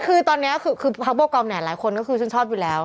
คือตอนนี้คือพระโบกอมเนี่ยหลายคนก็คือชื่นชอบอยู่แล้ว